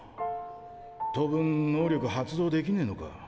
当分能力発動できねぇのか。